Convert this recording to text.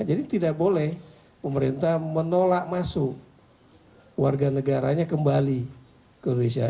jadi tidak boleh pemerintah menolak masuk warga negaranya kembali ke indonesia